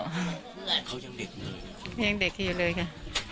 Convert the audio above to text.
เขายังเด็กค่ะยังเด็กค่ะอยู่เลยค่ะ